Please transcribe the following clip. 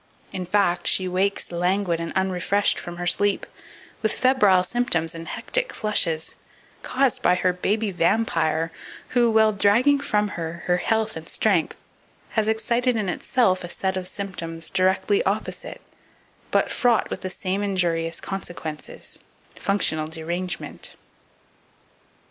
In fact, she wakes languid and unrefreshed from her sleep, with febrile symptoms and hectic flushes, caused by her baby vampire, who, while dragging from her her health and strength, has excited in itself a set of symptoms directly opposite, but fraught with the same injurious consequences "functional derangement."